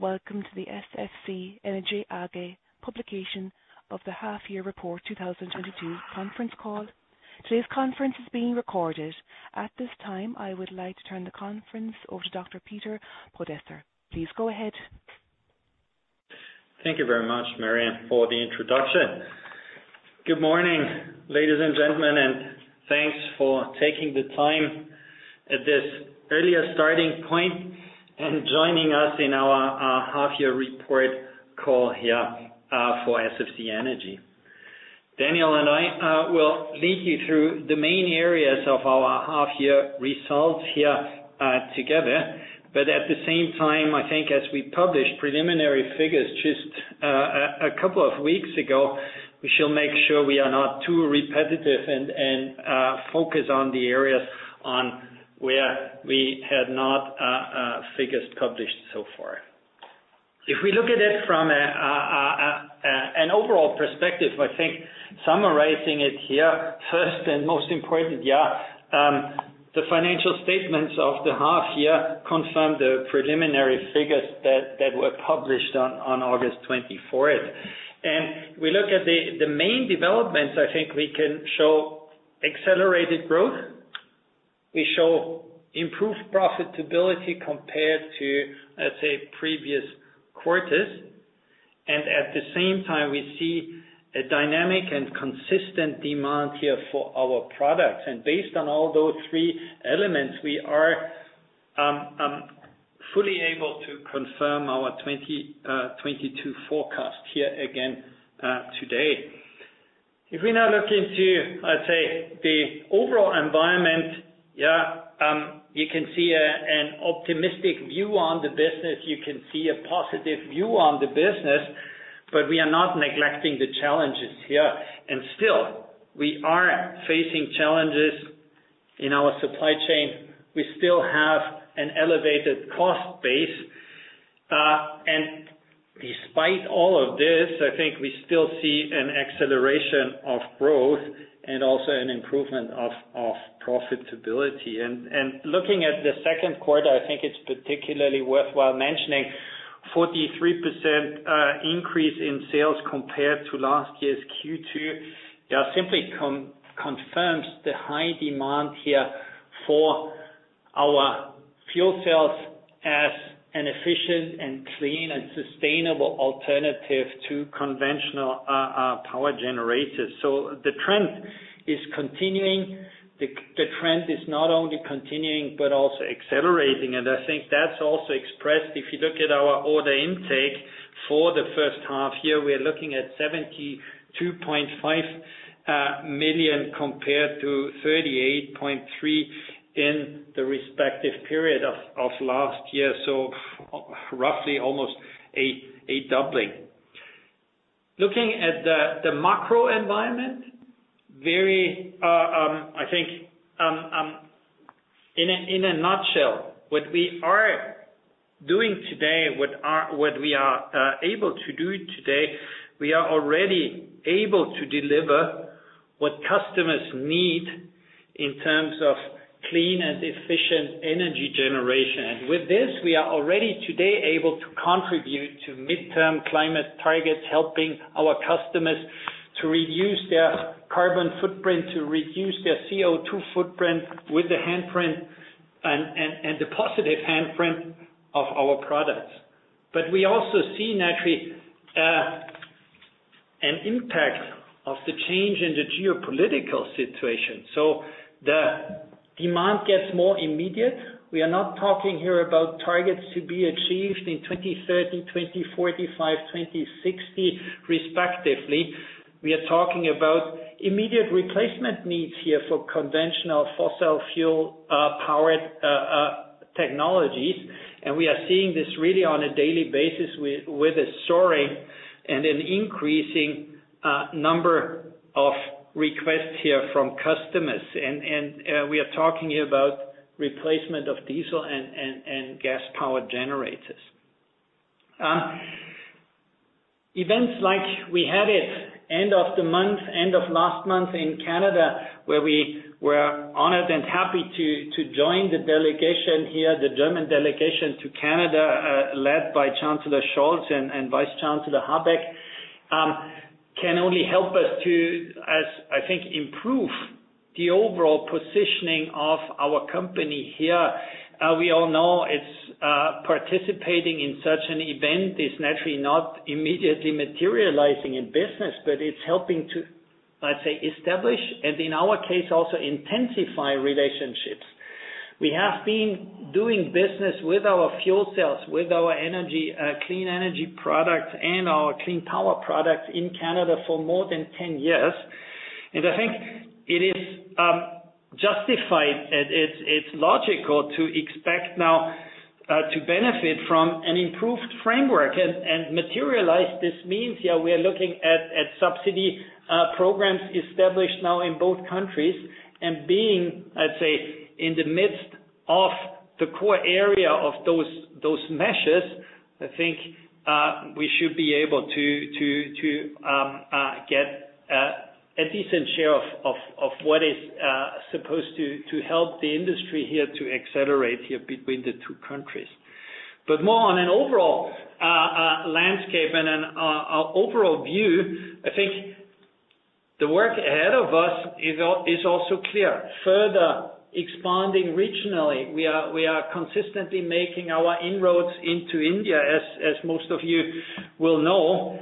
Welcome to the SFC Energy AG publication of the half-year report 2022 conference call. Today's conference is being recorded. At this time, I would like to turn the conference over to Dr. Peter Podesser. Please go ahead. Thank you very much, Marianne, for the introduction. Good morning, ladies and gentlemen, and thanks for taking the time at this earlier starting point and joining us in our half year report call here for SFC Energy. Daniel and I will lead you through the main areas of our half year results here together. At the same time, I think as we published preliminary figures just a couple of weeks ago, we shall make sure we are not too repetitive and focus on the areas on where we had not figures published so far. If we look at it from an overall perspective, I think summarizing it here, first and most important, the financial statements of the half year confirm the preliminary figures that were published on August 24th. We look at the main developments. I think we can show accelerated growth. We show improved profitability compared to, let's say, previous quarters. At the same time, we see a dynamic and consistent demand here for our products. Based on all those three elements, we are fully able to confirm our 22 forecast here again today. If we now look into, let's say, the overall environment, you can see an optimistic view on the business. You can see a positive view on the business, but we are not neglecting the challenges here. Still, we are facing challenges in our supply chain. We still have an elevated cost base. And despite all of this, I think we still see an acceleration of growth and also an improvement of profitability. Looking at the second quarter, I think it's particularly worthwhile mentioning 43% increase in sales compared to last year's Q2. Yeah, simply confirms the high demand here for our fuel cells as an efficient and clean, and sustainable alternative to conventional power generators. The trend is continuing. The trend is not only continuing, but also accelerating. I think that's also expressed, if you look at our order intake for the first half year, we're looking at 72.5 million compared to 38.3 million in the respective period of last year. Roughly almost a doubling. Looking at the macro environment, very, I think, in a nutshell, what we are doing today, what we are able to do today, we are already able to deliver what customers need in terms of clean and efficient energy generation. With this, we are already today able to contribute to midterm climate targets, helping our customers to reduce their carbon footprint, to reduce their CO2 footprint with the handprint and the positive handprint of our products. We also see, naturally, an impact of the change in the geopolitical situation. The demand gets more immediate. We are not talking here about targets to be achieved in 2030, 2045, 2060, respectively. We are talking about immediate replacement needs here for conventional fossil fuel powered technologies. We are seeing this really on a daily basis with a soaring and an increasing number of requests here from customers. We are talking here about replacement of diesel and gas-powered generators. Events like we had it end of the month, end of last month in Canada, where we were honored and happy to join the delegation here, the German delegation to Canada, led by Chancellor Scholz and Vice Chancellor Habeck, can only help us to, I think, improve the overall positioning of our company here. We all know it's participating in such an event is naturally not immediately materializing in business, but it's helping to, let's say, establish, and in our case, also intensify relationships. We have been doing business with our fuel cells, with our energy, clean energy products and our clean power products in Canada for more than 10 years. I think it is justified and it's logical to expect now to benefit from an improved framework and materialize. This means, we are looking at subsidy programs established now in both countries and being, I'd say, in the midst of the core area of those measures, I think we should be able to get a decent share of this. Of what is supposed to help the industry here to accelerate here between the two countries. More on an overall landscape and an overall view, I think the work ahead of us is also clear. Further expanding regionally, we are consistently making our inroads into India, as most of you will know.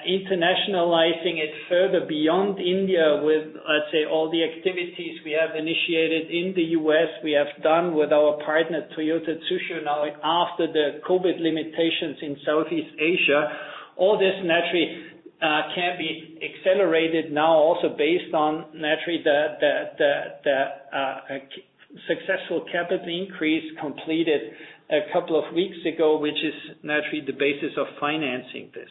Internationalizing it further beyond India with, let's say, all the activities we have initiated in the U.S., we have done with our partner, Toyota Tsusho, now after the COVID limitations in Southeast Asia, all this naturally can be accelerated now also based on naturally the successful capital increase completed a couple of weeks ago, which is naturally the basis of financing this.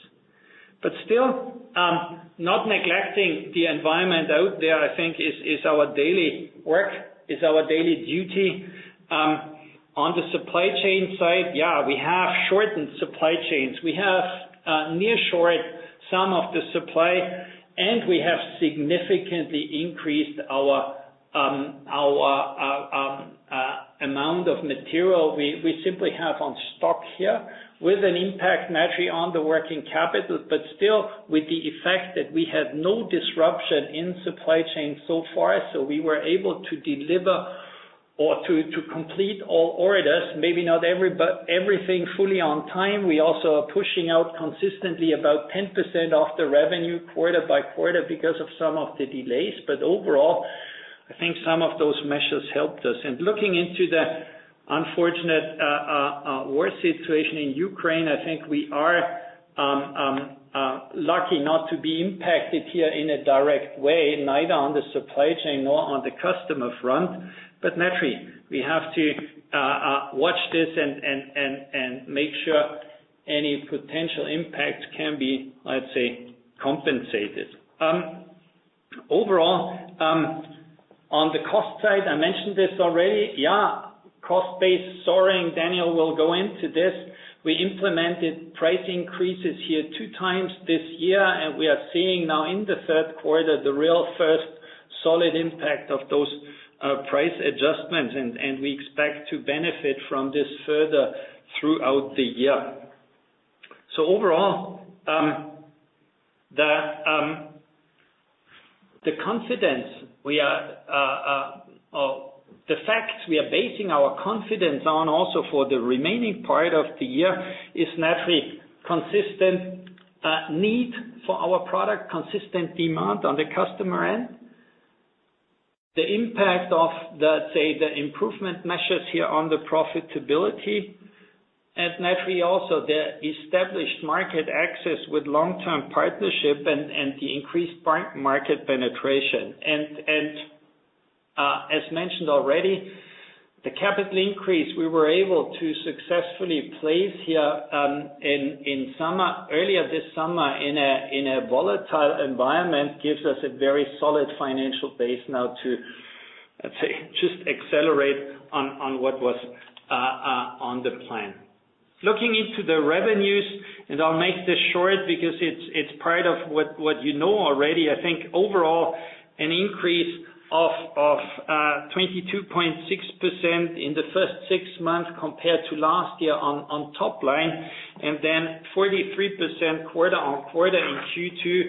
Still, not neglecting the environment out there, I think is our daily work, is our daily duty. On the supply chain side, we have shortened supply chains. We have nearshored some of the supply, and we have significantly increased our amount of material we simply have in stock here with an impact naturally on the working capital. Still with the effect that we have no disruption in supply chain so far. We were able to deliver or complete all orders, maybe not everything fully on time. We also are pushing out consistently about 10% of the revenue quarter by quarter because of some of the delays. Overall, I think some of those measures helped us. Looking into the unfortunate war situation in Ukraine, I think we are lucky not to be impacted here in a direct way, neither on the supply chain nor on the customer front. Naturally, we have to watch this and make sure any potential impact can be, let's say, compensated. Overall, on the cost side, I mentioned this already. Yeah, cost base soaring. Daniel will go into this. We implemented price increases here two times this year, and we are seeing now in the third quarter the real first solid impact of those price adjustments, and we expect to benefit from this further throughout the year. Overall, the facts we are basing our confidence on also for the remaining part of the year is naturally consistent need for our product, consistent demand on the customer end. The impact of, say, the improvement measures here on the profitability, and naturally also the established market access with long-term partnership and, as mentioned already, the capital increase we were able to successfully place here, in summer, earlier this summer in a volatile environment, gives us a very solid financial base now to, let's say, just accelerate on what was on the plan. Looking into the revenues. I'll make this short because it's part of what you know already. I think overall an increase of 22.6% in the first six months compared to last year on top line, and then 43% quarter-on-quarter in Q2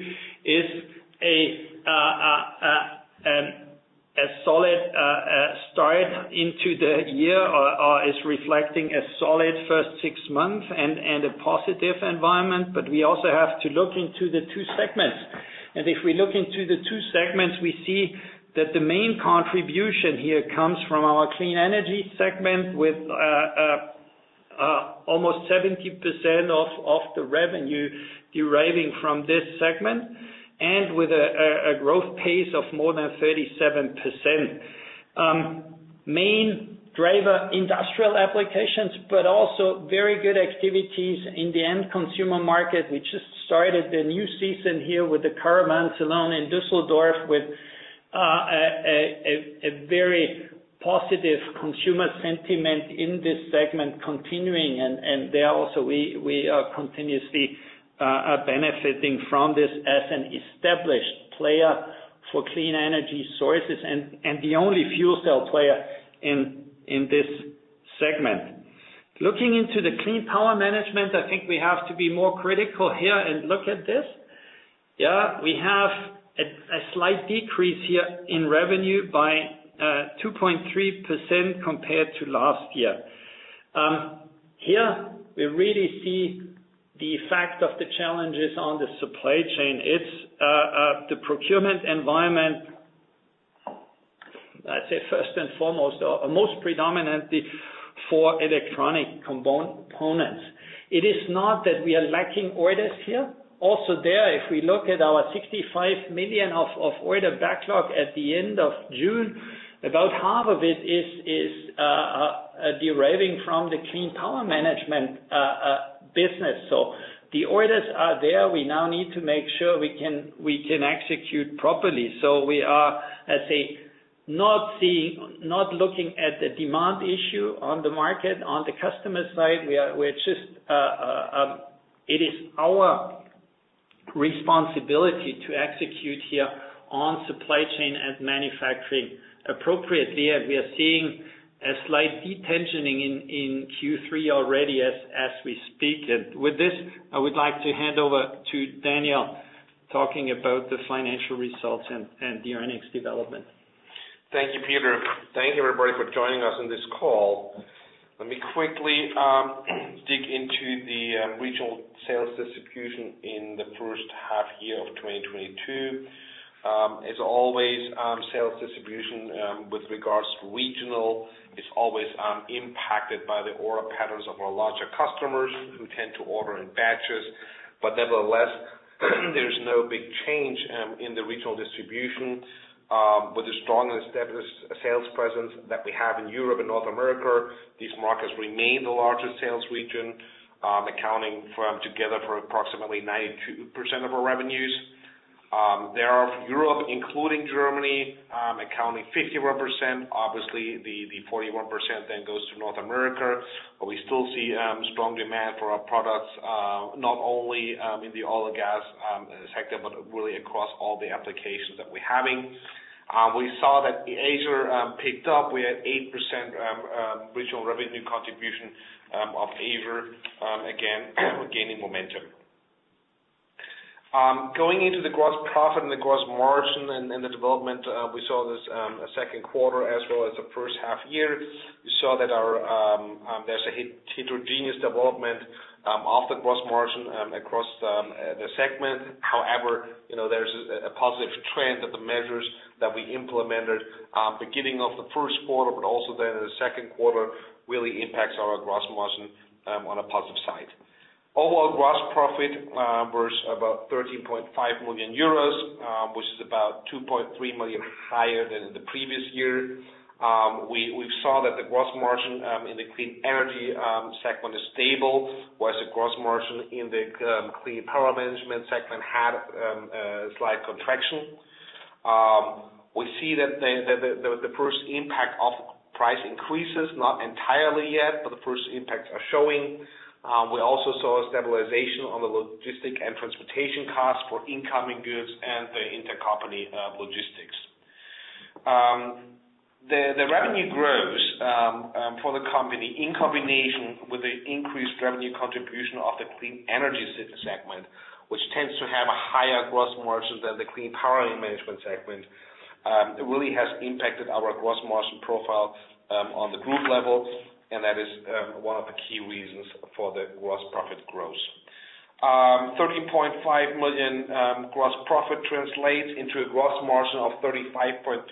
is a solid start into the year or is reflecting a solid first six months and a positive environment. We also have to look into the two segments. If we look into the two segments, we see that the main contribution here comes from our Clean Energy segment with almost 70% of the revenue deriving from this segment and with a growth pace of more than 37%. Main driver, industrial applications, but also very good activities in the end consumer market. We just started the new season here with the CARAVAN SALON in Düsseldorf with a very positive consumer sentiment in this segment continuing. There also we are continuously benefiting from this as an established player for Clean Energy sources and the only fuel cell player in this segment. Looking into the Clean Power Management, I think we have to be more critical here and look at this. Yeah, we have a slight decrease here in revenue by 2.3% compared to last year. Here we really see the effect of the challenges on the supply chain. It's the procurement environment, I'd say first and foremost or most predominantly for electronic components. It is not that we are lacking orders here. If we look at our 65 million order backlog at the end of June, about half of it is deriving from the Clean Power Management business. The orders are there. We now need to make sure we can execute properly. We are, let's say, not looking at the demand issue on the market. On the customer side, it is our responsibility to execute here on supply chain and manufacturing appropriately, and we are seeing a slight de-tensioning in Q3 already as we speak. With this, I would like to hand over to Daniel talking about the financial results and the earnings development. Thank you, Peter. Thank you everybody for joining us on this call. Let me quickly dig into the regional sales distribution in the first half year of 2022. As always, sales distribution with regards to regional is always impacted by the order patterns of our larger customers who tend to order in batches. Nevertheless, there's no big change in the regional distribution. With the strong established sales presence that we have in Europe and North America, these markets remain the largest sales region, accounting together for approximately 92% of our revenues. That is Europe, including Germany, accounting 51%. Obviously, the 41% then goes to North America. We still see strong demand for our products, not only in the oil and gas sector, but really across all the applications that we're having. We saw that Asia picked up. We had 8% regional revenue contribution of Asia. Again, we're gaining momentum. Going into the gross profit and the gross margin and the development, we saw this second quarter as well as the first half year. We saw that overall there's a heterogeneous development of the gross margin across the segment. However, you know, there's a positive trend of the measures that we implemented beginning of the first quarter, but also then in the second quarter, really impacts our gross margin on a positive side. Overall gross profit was about 13.5 million euros, which is about 2.3 million higher than in the previous year. We saw that the gross margin in the Clean Energy segment is stable, whereas the gross margin in the Clean Power Management segment had a slight contraction. We see that the first impact of price increases, not entirely yet, but the first impacts are showing. We also saw a stabilization on the logistics and transportation costs for incoming goods and the intercompany logistics. The revenue growth for the company in combination with the increased revenue contribution of the Clean Energy segment, which tends to have a higher gross margin than the Clean Power Management segment. It really has impacted our gross margin profile on the group level, and that is one of the key reasons for the gross profit growth. 13.5 million gross profit translates into a gross margin of 35.3%,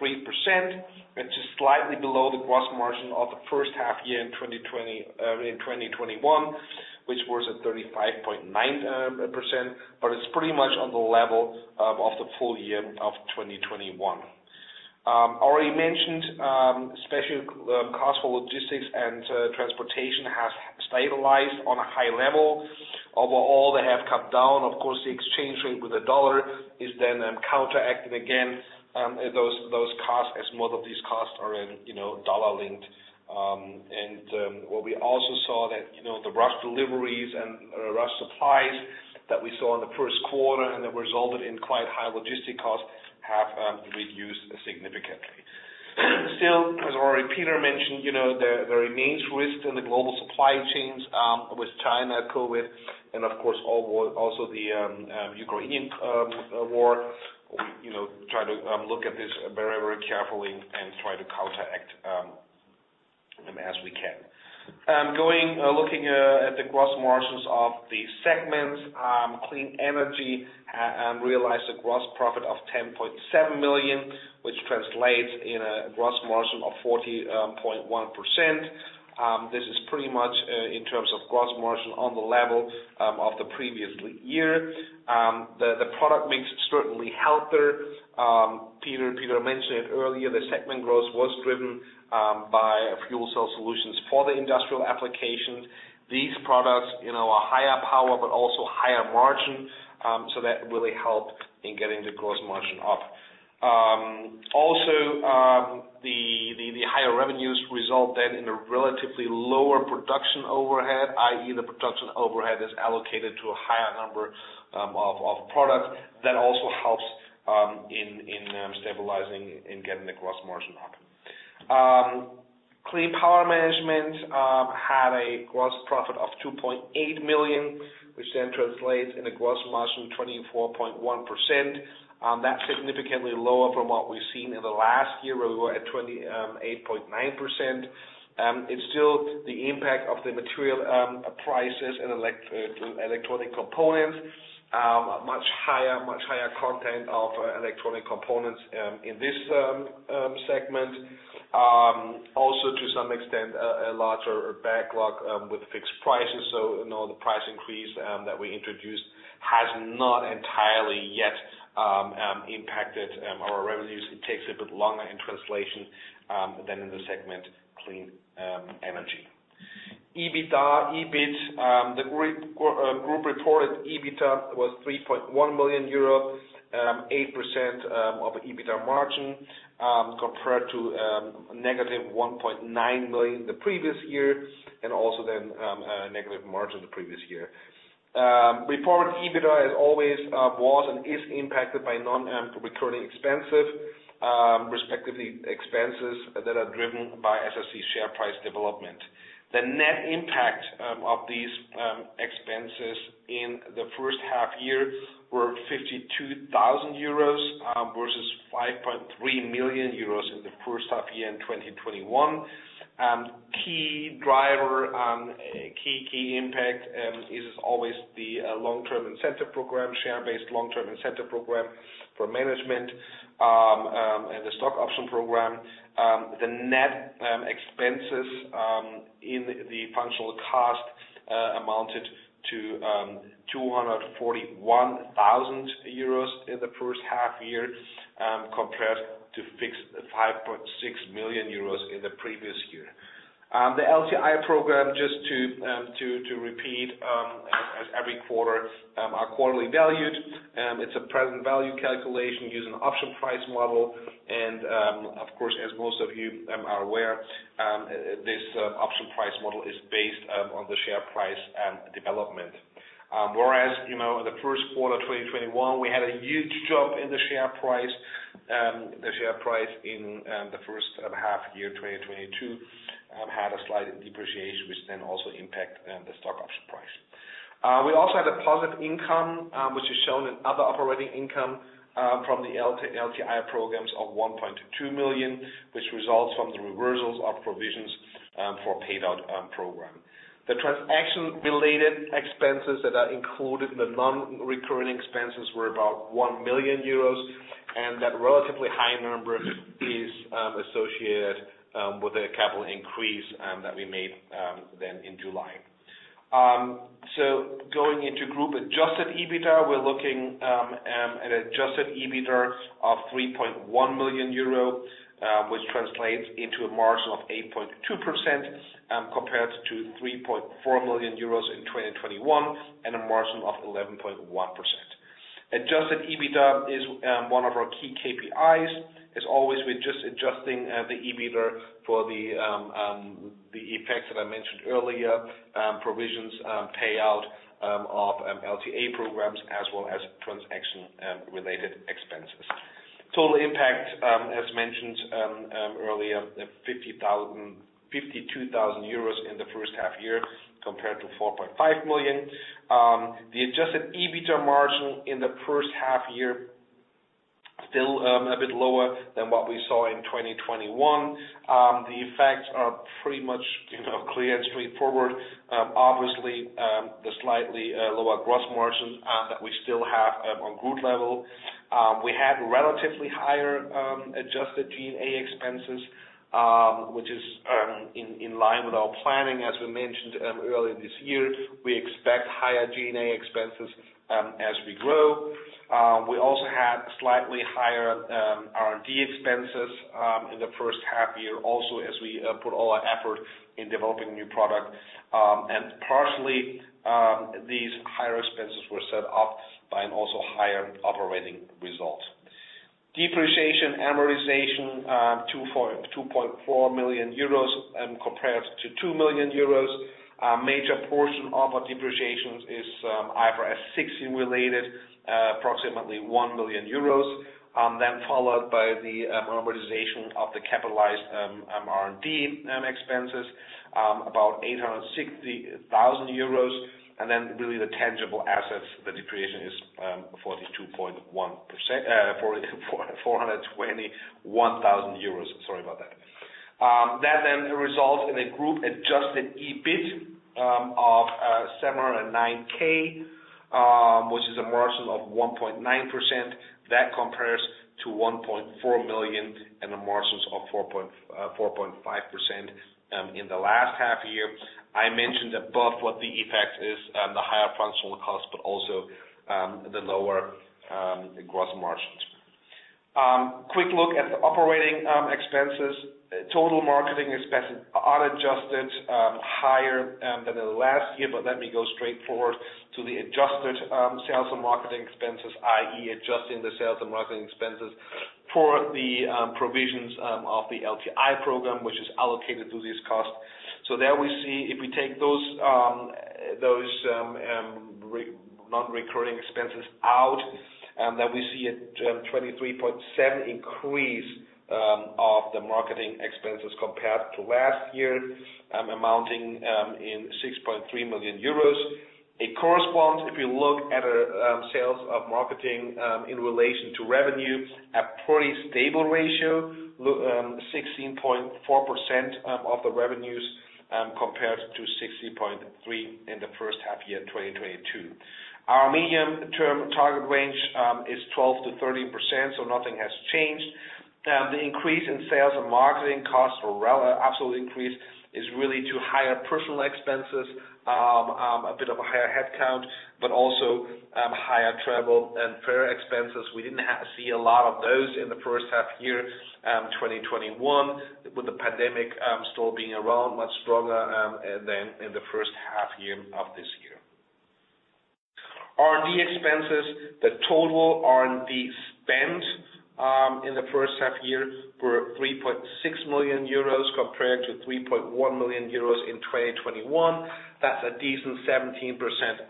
which is slightly below the gross margin of the first half year in 2021, which was at 35.9%. It's pretty much on the level of the full year of 2021. Already mentioned, special costs for logistics and transportation have stabilized on a high level. Overall, they have come down. Of course, the exchange rate with the dollar is then counteracted again in those costs as most of these costs are in, you know, dollar-linked. What we also saw that, you know, the rush deliveries and rush supplies that we saw in the first quarter and that resulted in quite high logistic costs have reduced significantly. Still, as already Peter mentioned, you know, there remains risk in the global supply chains with China, COVID, and of course, also the Ukrainian war. We, you know, try to look at this very carefully and try to counteract as we can. Looking at the gross margins of the segments, Clean Energy realized a gross profit of 10.7 million, which translates in a gross margin of 40.1%. This is pretty much in terms of gross margin on the level of the previous year. The product mix is certainly healthier. Peter mentioned it earlier. The segment growth was driven by fuel cell solutions for the industrial applications. These products, you know, are higher power, but also higher margin, so that really helped in getting the gross margin up. Also, the higher revenues result then in a relatively lower production overhead, i.e., the production overhead is allocated to a higher number of product. That also helps in stabilizing and getting the gross margin up. Clean Power Management had a gross profit of 2.8 million, which then translates in a gross margin of 24.1%. That's significantly lower from what we've seen in the last year where we were at 28.9%. It's still the impact of the material prices and electronic components. Much higher content of electronic components in this segment. Also to some extent a larger backlog with fixed prices. You know, the price increase that we introduced has not entirely yet impacted our revenues. It takes a bit longer in translation than in the segment Clean Energy. EBITDA, EBIT, the group reported EBITDA was 3.1 million euro, 8% EBITDA margin, compared to negative 1.9 million the previous year and also then negative margin the previous year. Reported EBITDA, as always, was and is impacted by non-recurring expenses, respectively, expenses that are driven by SSC share price development. The net impact of these expenses in the first half year were 52,000 euros versus 5.3 million euros in the first half year in 2021. Key driver and key impact is always the long-term incentive program, share-based long-term incentive program for management, and the stock option program. The net expenses in the functional cost amounted to 241,000 euros in the first half year, compared to minus 5.6 million euros in the previous year. The LTI program, just to repeat, as every quarter, are quarterly valued. It's a present value calculation using option pricing model and, of course, as most of you are aware, this option pricing model is based on the share price development. Whereas, you know, the first quarter of 2021, we had a huge jump in the share price. The share price in the first half year, 2022, had a slight depreciation, which then also impact the stock option price. We also had a positive income, which is shown in other operating income, from the LTI programs of 1.2 million, which results from the reversals of provisions for paid out program. The transaction-related expenses that are included in the non-recurring expenses were about 1 million euros, and that relatively high number is associated with a capital increase that we made then in July. Going into group-adjusted EBITDA, we're looking at adjusted EBITDA of 3.1 million euro, which translates into a margin of 8.2%, compared to 3.4 million euros in 2021 and a margin of 11.1%. Adjusted EBITDA is one of our key KPIs. As always, we're just adjusting the EBITDA for the effects that I mentioned earlier, provisions, payout of LTI programs as well as transaction related expenses. Total impact, as mentioned earlier, 52,000 euros in the first half year compared to 4.5 million. The adjusted EBITDA margin in the first half year still a bit lower than what we saw in 2021. The effects are pretty much, you know, clear and straightforward. Obviously, the slightly lower gross margin that we still have on group level. We had relatively higher adjusted G&A expenses, which is in line with our planning. As we mentioned earlier this year, we expect higher G&A expenses as we grow. We also had slightly higher R&D expenses in the first half year also as we put all our effort in developing new product. Partially these higher expenses were set off by an also higher operating result. Depreciation, amortization, 2.4 million euros compared to 2 million euros. A major portion of our depreciations is IFRS 16 related, approximately 1 million euros, then followed by the amortization of the capitalized R&D expenses, about 860,000 euros. Really the tangible assets, the depreciation is 421,000 euros. Sorry about that. That then results in a group-adjusted EBIT of 709,000, which is a margin of 1.9%. That compares to 1.4 million and a margins of 4.5%, in the last half year. I mentioned above what the effect is, the higher functional costs, but also, the lower gross margins. Quick look at the operating expenses. Total marketing expenses are adjusted higher than the last year, but let me go straightforward to the adjusted sales and marketing expenses, i.e. adjusting the sales and marketing expenses for the provisions of the LTI program, which is allocated to these costs. There we see if we take those non-recurring expenses out, then we see a 23.7 increase of the marketing expenses compared to last year, amounting to 6.3 million euros. It corresponds, if you look at sales and marketing in relation to revenue, a pretty stable ratio, 16.4% of the revenues compared to 16.3% in the first half year in 2022. Our medium-term target range is 12%-13%, so nothing has changed. The increase in sales and marketing costs, or rather, the absolute increase is really due to higher personnel expenses, a bit of a higher headcount, but also higher travel and trade fair expenses. We didn't see a lot of those in the first half year, 2021 with the pandemic still being around much stronger than in the first half year of this year. R&D expenses. The total R&D spend in the first half year were 3.6 million euros compared to 3.1 million euros in 2021. That's a decent 17%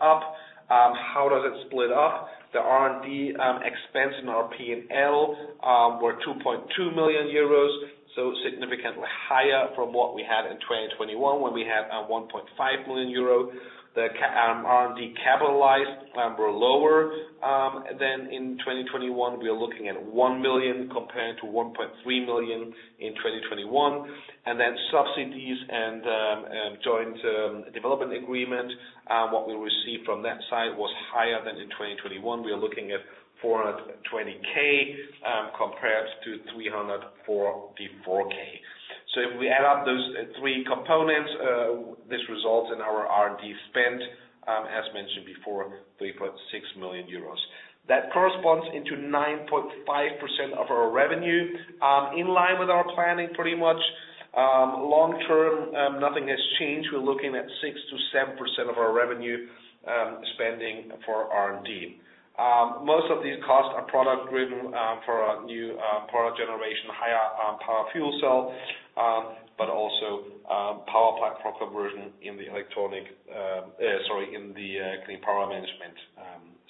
up. How does it split up? The R&D expense in our P&L were 2.2 million euros, so significantly higher than what we had in 2021 when we had 1.5 million euro. R&D capitalized were lower than in 2021. We are looking at 1 million compared to 1.3 million in 2021. Subsidies and joint development agreement, what we received from that side, was higher than in 2021. We are looking at 420,000 compared to 344,000. If we add up those three components, this results in our R&D spend, as mentioned before, 3.6 million euros. That corresponds to 9.5% of our revenue, in line with our planning pretty much. Long term, nothing has changed. We're looking at 6%-7% of our revenue spending for R&D. Most of these costs are product driven, for our new product generation, higher power fuel cell, but also power platform conversion in the Clean Power Management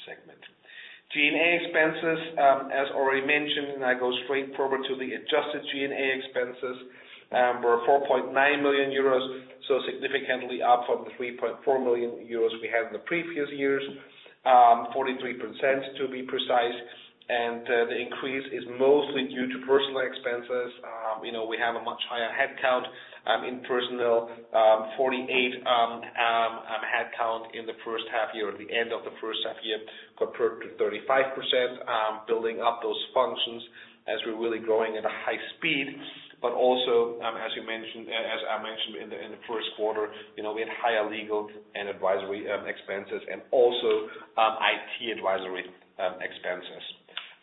segment. G&A expenses, as already mentioned, I go straight forward to the adjusted G&A expenses, were 4.9 million euros, so significantly up from the 3.4 million euros we had in the previous years. 43% to be precise, the increase is mostly due to personnel expenses. You know, we have a much higher headcount in personnel. 48% headcount in the first half year or the end of the first half year compared to 35%. Building up those functions as we're really growing at a high speed. As I mentioned in the first quarter, you know, we had higher legal and advisory expenses and also IT advisory expenses.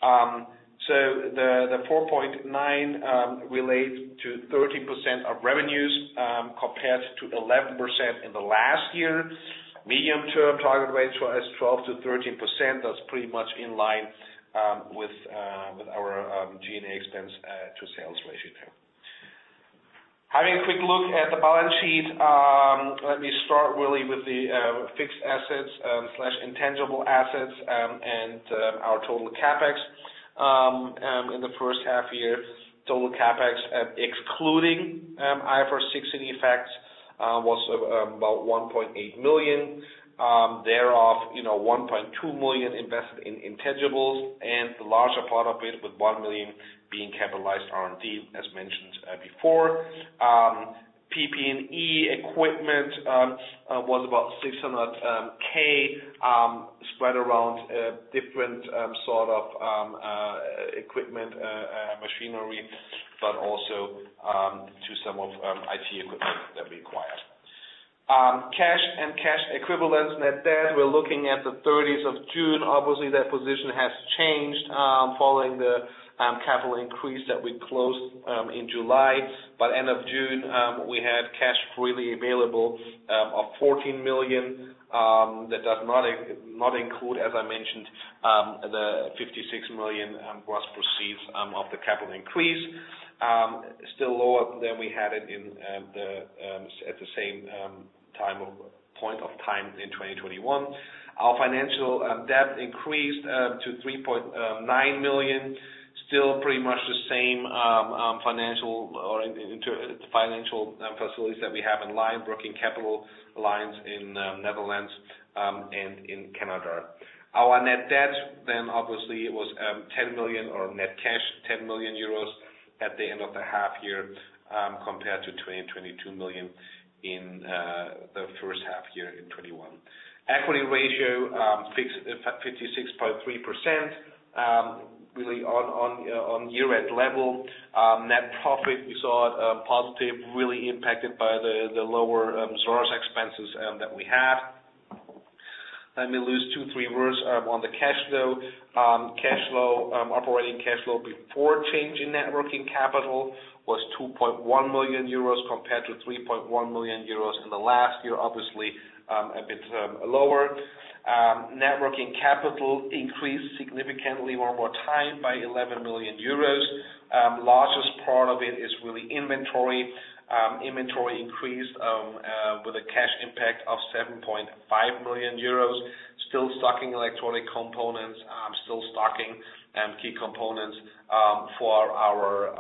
The 4.9 million relate to 13% of revenues compared to 11% in the last year. Medium-term target range was 12%-13%. That's pretty much in line with our G&A expense to sales ratio there. Having a quick look at the balance sheet, let me start really with the fixed assets slash intangible assets and our total CapEx. In the first half year, total CapEx excluding IFRS 16 effects was about 1.8 million. Thereof, you know, 1.2 million invested in intangibles, and the larger part of it with 1 million being capitalized R&D, as mentioned before. PP&E equipment was about 600 thousand, spread around different sort of equipment machinery, but also to some of IT equipment that we acquired. Cash and cash equivalents, net debt, we're looking at the 30th of June. Obviously, that position has changed following the capital increase that we closed in July. By end of June, we had cash freely available of 14 million that does not include, as I mentioned, the 56 million was proceeds of the capital increase. Still lower than we had it in the same point of time in 2021. Our financial debt increased to 3.9 million. Still pretty much the same financial facilities that we have in line, working capital lines in Netherlands and in Canada. Our net debt then obviously was 10 million or net cash, 10 million euros at the end of the half year compared to 22 million in the first half year in 2021. Equity ratio 56.3%, really on year-end level. Net profit we saw positive really impacted by the lower source expenses that we had. Let me lose two, three words on the cash flow. Cash flow, operating cash flow before change in net working capital was 2.1 million euros compared to 3.1 million euros in the last year. Obviously, a bit lower. Net working capital increased significantly one more time by 11 million euros. Largest part of it is really inventory. Inventory increased with a cash impact of 7.5 million euros. Still stocking electronic components, still stocking key components for our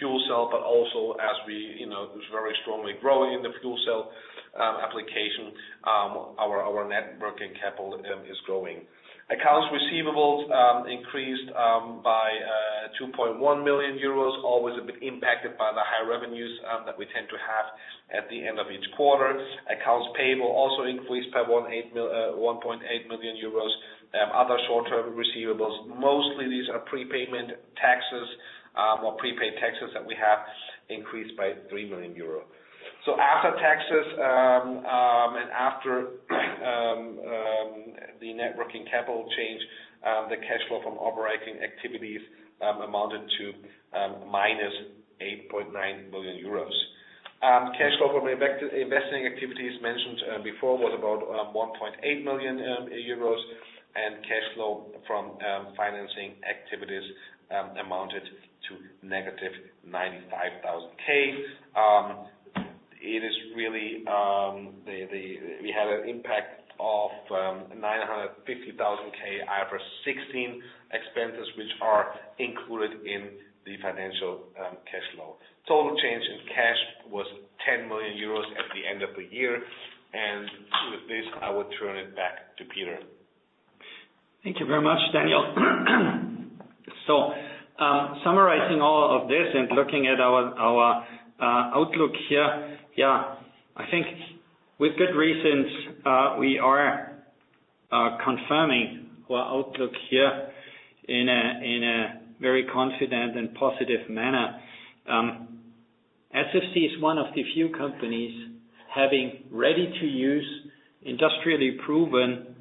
fuel cell, but also as we, you know, it was very strongly growing in the fuel cell application, our net working capital is growing. Accounts receivables increased by 2.1 million euros, always a bit impacted by the high revenues that we tend to have at the end of each quarter. Accounts payable also increased by 1.8 million euros. Other short-term receivables, mostly these are prepayment taxes or prepaid taxes that we have increased by 3 million euro. After taxes and after the net working capital change, the cash flow from operating activities amounted to -8.9 million euros. Cash flow from investing activities mentioned before was about 1.8 million euros, and cash flow from financing activities amounted to -95,000. It is really. We had an impact of 950,000 IFRS 16 expenses, which are included in the financial cash flow. Total change in cash was 10 million euros at the end of the year. With this, I will turn it back to Peter. Thank you very much, Daniel. Summarizing all of this and looking at our outlook here, yeah, I think with good reasons we are confirming our outlook here in a very confident and positive manner. SFC is one of the few companies having ready-to-use, industrially proven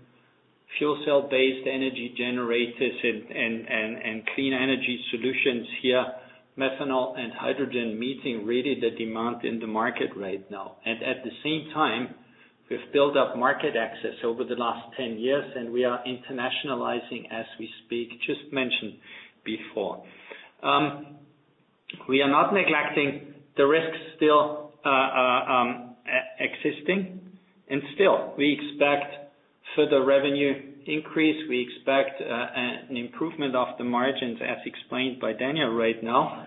fuel cell-based energy generators and clean energy solutions here, methanol and hydrogen, meeting really the demand in the market right now. At the same time, we've built up market access over the last 10 years, and we are internationalizing as we speak, just mentioned before. We are not neglecting the risks still existing. Still, we expect further revenue increase. We expect an improvement of the margins, as explained by Daniel right now.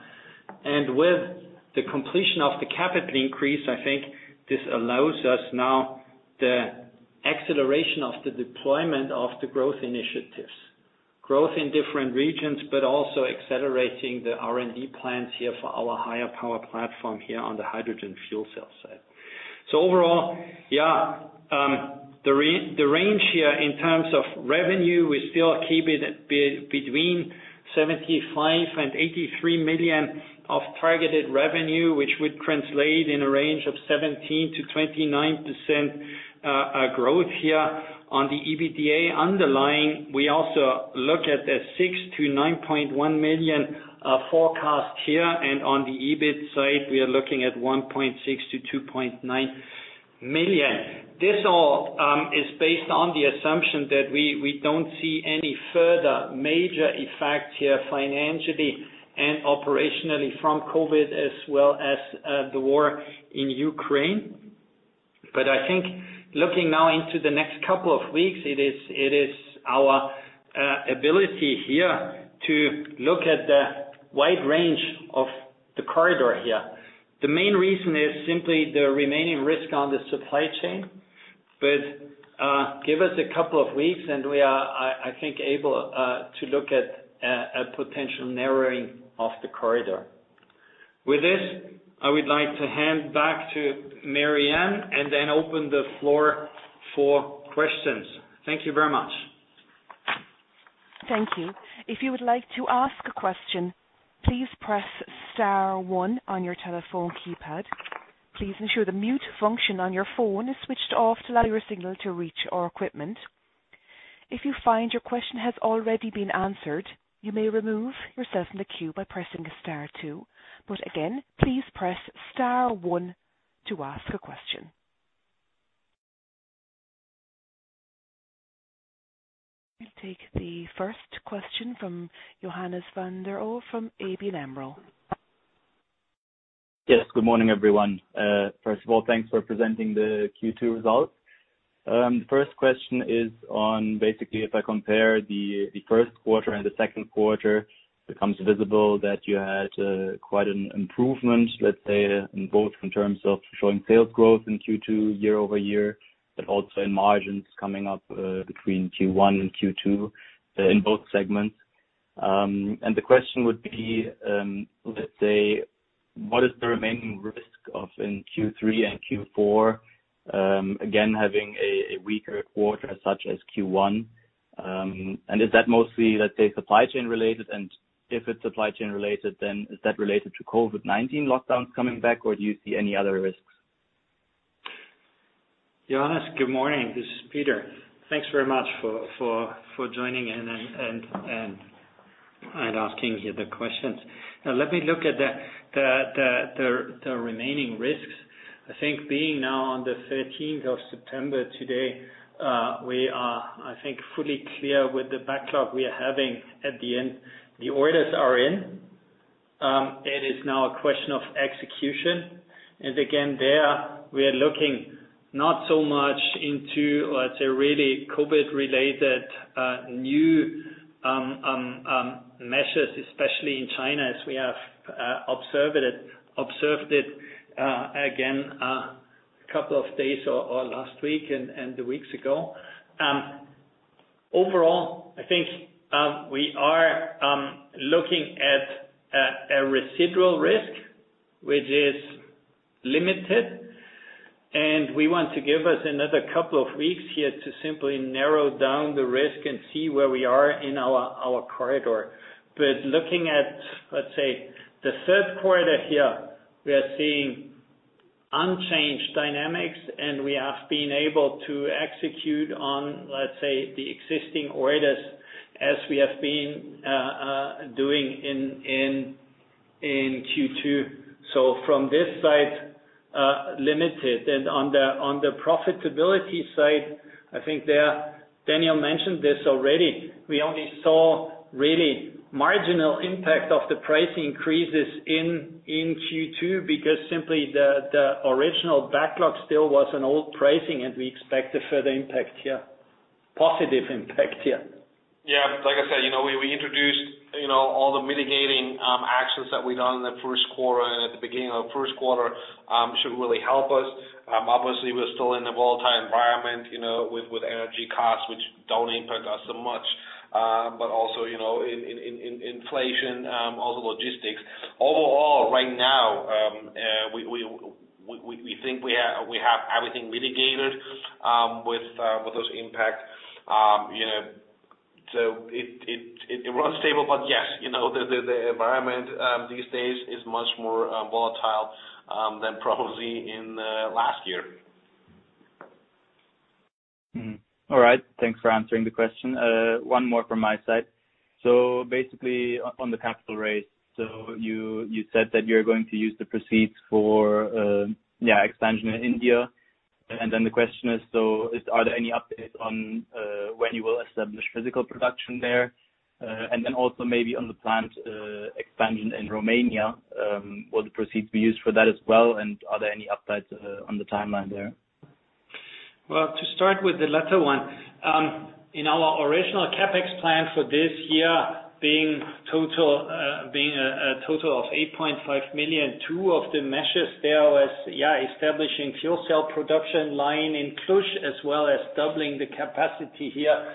With the completion of the capital increase, I think this allows us now the acceleration of the deployment of the growth initiatives. Growth in different regions, but also accelerating the R&D plans here for our higher power platform here on the hydrogen fuel cell side. Overall, the range here in terms of revenue, we still keep it between 75 million and 83 million targeted revenue, which would translate in a range of 17%-29% growth here. On the EBITDA underlying, we also look at a 6 million-9.1 million forecast here. On the EBIT side, we are looking at 1.6 million-2.9 million. This all is based on the assumption that we don't see any further major effect here financially and operationally from COVID, as well as the war in Ukraine. I think looking now into the next couple of weeks, it is our ability here to look at the wide range of the corridor here. The main reason is simply the remaining risk on the supply chain. Give us a couple of weeks, and we are, I think, able to look at a potential narrowing of the corridor. With this, I would like to hand back to Marianne and then open the floor for questions. Thank you very much. Thank you. If you would like to ask a question, please press star one on your telephone keypad. Please ensure the mute function on your phone is switched off to allow your signal to reach our equipment. If you find your question has already been answered, you may remove yourself from the queue by pressing star two. Again, please press star one to ask a question. We'll take the first question from Johannes van der Ohe from ABN AMRO. Yes. Good morning, everyone. First of all, thanks for presenting the Q2 results. The first question is on basically, if I compare the first quarter and the second quarter, becomes visible that you had quite an improvement, let's say, in both in terms of showing sales growth in Q2 year-over-year, but also in margins coming up between Q1 and Q2 in both segments. The question would be, let's say, what is the remaining risk of in Q3 and Q4 again having a weaker quarter such as Q1? Is that mostly, let's say, supply chain related? If it's supply chain related, then is that related to COVID-19 lockdowns coming back, or do you see any other risks? Johannes, good morning. This is Peter. Thanks very much for joining in and asking here the questions. Now, let me look at the remaining risks. I think being now on the 13th of September today, we are, I think, fully clear with the backlog we are having at the end. The orders are in. It is now a question of execution. Again, there we are looking not so much into, let's say, really COVID-related new measures, especially in China, as we have observed it again a couple of days or last week and the weeks ago. Overall, I think we are looking at a residual risk, which is limited. We want to give us another couple of weeks here to simply narrow down the risk and see where we are in our corridor. Looking at, let's say, the third quarter here, we are seeing unchanged dynamics, and we have been able to execute on, let's say, the existing orders as we have been doing in Q2. From this side, limited. On the profitability side, I think there, Daniel mentioned this already. We only saw really marginal impact of the price increases in Q2 because simply the original backlog still was an old pricing, and we expect a further impact here. Positive impact here. Yeah. Like I said, you know, we introduced, you know, all the mitigating actions that we done in the first quarter, and at the beginning of first quarter should really help us. Obviously, we're still in a volatile environment, you know, with energy costs, which don't impact us so much, but also, you know, in inflation, also logistics. Overall, right now, we think we have everything mitigated with those impact. You know, it runs stable, but yes, you know, the environment these days is much more volatile than probably in last year. All right. Thanks for answering the question. One more from my side. Basically on the capital raise, you said that you're going to use the proceeds for expansion in India. The question is, are there any updates on when you will establish physical production there? Also maybe on the planned expansion in Romania, will the proceeds be used for that as well? Are there any updates on the timeline there? Well, to start with the latter one, in our original CapEx plan for this year being a total of 8.5 million, two of the measures there was establishing fuel cell production line in Cluj, as well as doubling the capacity here.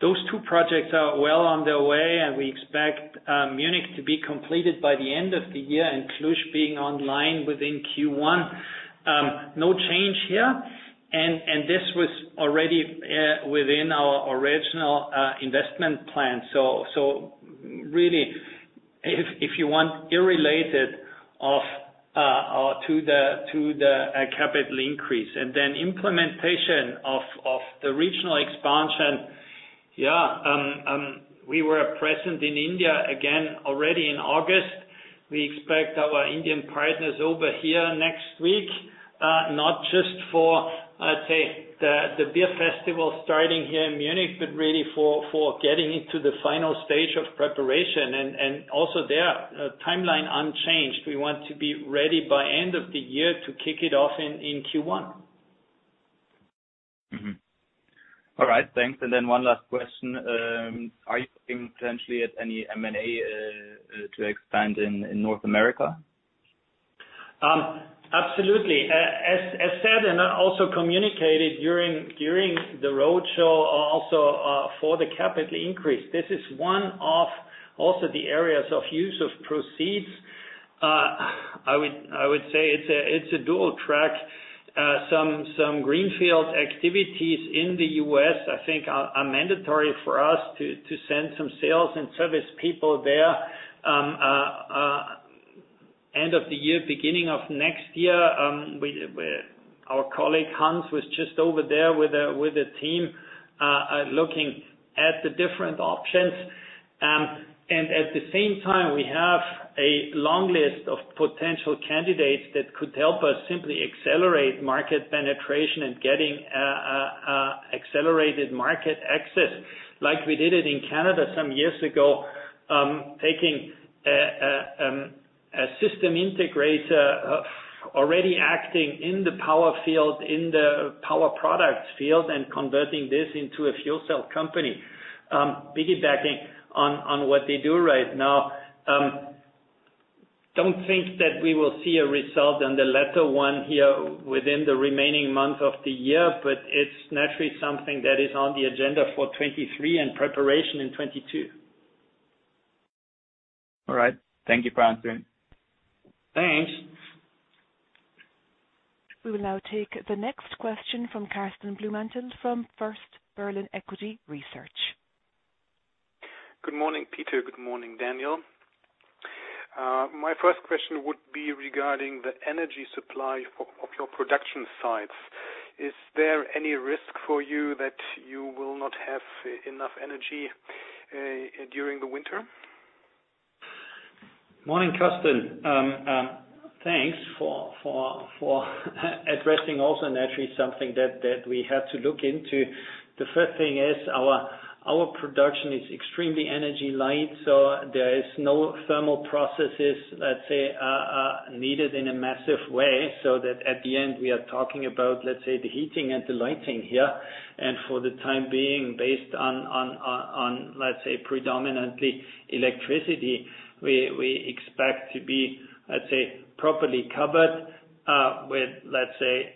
Those two projects are well on their way, and we expect Munich to be completed by the end of the year and Cluj being online within Q1. No change here. This was already within our original investment plan. Really if you want, unrelated to the capital increase. Implementation of the regional expansion, we were present in India again already in August. We expect our Indian partners over here next week, not just for, let's say, the beer festival starting here in Munich, but really for getting into the final stage of preparation and also there, timeline unchanged. We want to be ready by end of the year to kick it off in Q1. All right. Thanks. One last question. Are you looking potentially at any M&A to expand in North America? Absolutely. As said and also communicated during the roadshow also for the capital increase, this is one of also the areas of use of proceeds. I would say it's a dual track. Some greenfield activities in the U.S., I think are mandatory for us to send some sales and service people there, end of the year, beginning of next year. Our colleague, Hans, was just over there with a team looking at the different options. At the same time, we have a long list of potential candidates that could help us simply accelerate market penetration and getting accelerated market access like we did it in Canada some years ago, taking a system integrator already acting in the power field, in the power products field and converting this into a fuel cell company, piggybacking on what they do right now. Don't think that we will see a result on the latter one here within the remaining month of the year, but it's naturally something that is on the agenda for 2023 and preparation in 2022. All right. Thank you for answering. Thanks. We will now take the next question from Karsten Blumenthal from First Berlin Equity Research. Good morning, Peter. Good morning, Daniel. My first question would be regarding the energy supply of your production sites. Is there any risk for you that you will not have enough energy during the winter? Morning, Karsten. Thanks for addressing also naturally something that we have to look into. The first thing is our production is extremely energy light, so there is no thermal processes, let's say, needed in a massive way, so that at the end we are talking about, let's say, the heating and the lighting here. For the time being based on, let's say, predominantly electricity, we expect to be, let's say, properly covered with, let's say,